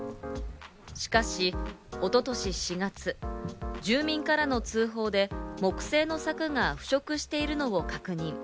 しかし、一昨年４月、住民からの通報で、木製の柵が腐食しているのを確認。